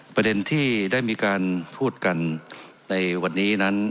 ประเด็นที่ได้มีการพูดกันในวันนี้นั้น